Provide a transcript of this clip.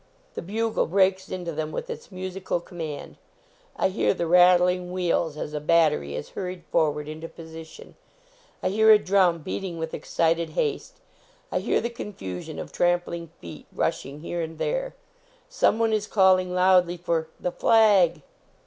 The bugle breaks into them with its musical command. I hear the rat tling wheels as a battery is hurried forward into position. I hear a drum beating with excited haste. J. hear the confusion of trampling feet, rushing here and there. Some one is calling loudly for " the flag!"